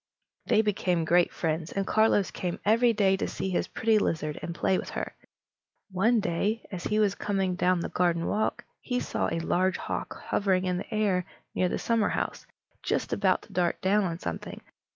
They became great friends, and Carlos came every day to see his pretty lizard and play with her. One day, as he was coming down the garden walk, he saw a large hawk hovering in the air near the summerhouse, just about to dart down on something.